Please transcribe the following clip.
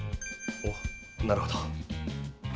おっなるほど。